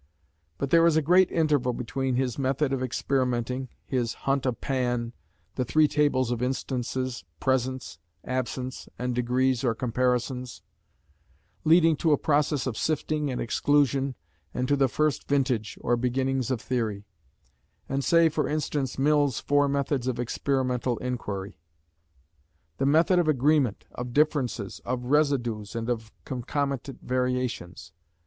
But there is a great interval between his method of experimenting, his "Hunt of Pan" the three tables of Instances, "Presence," "Absence" and "Degrees, or Comparisons," leading to a process of sifting and exclusion, and to the First Vintage, or beginnings of theory and say, for instance, Mill's four methods of experimental inquiry: the method of agreement, of differences, of residues, and of concomitant variations.